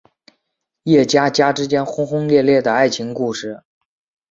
叶家家之间轰轰烈烈的爱情故事。